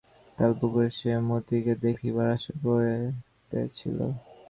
তালপুকুরে সে মতিকে দেখিবার আশা করিতেছিল।